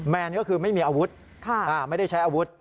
แนนก็คือไม่มีอาวุธไม่ได้ใช้อาวุธ